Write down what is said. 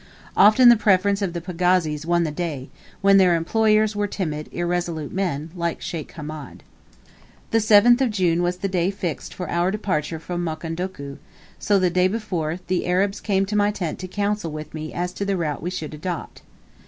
Often the preference of the pagazis won the day, when their employers were timid, irresolute men, like Sheikh Hamed. The 7th of June was the day fixed for our departure from Mukondoku, so the day before, the Arabs came to my tent to counsel with me as to the route we should adopt.